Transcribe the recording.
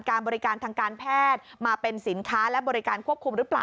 การบริการทางการแพทย์มาเป็นสินค้าและบริการควบคุมหรือเปล่า